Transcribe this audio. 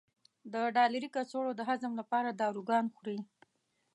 د ډالري کڅوړو د هضم لپاره داروګان خوري.